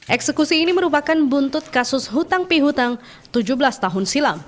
eksekusi ini merupakan buntut kasus hutang pihutang tujuh belas tahun silam